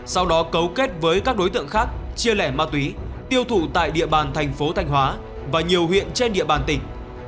sau đó cấu kết với các đối tượng khác chia lẻ ma túy tiêu thụ tại địa bàn thành phố thanh hóa và nhiều huyện trên địa bàn tỉnh